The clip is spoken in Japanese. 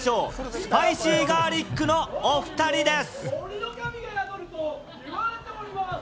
スパイシーガーリックのおふたりです。